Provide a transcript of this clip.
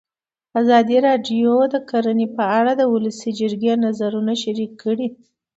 ازادي راډیو د کرهنه په اړه د ولسي جرګې نظرونه شریک کړي.